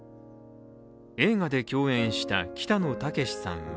映画で共演した北野武さんは